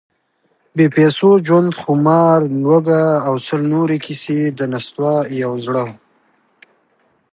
بې پیسو ژوند، خمار، لوږه… او سل نورې کیسې، د نستوه یو زړهٔ: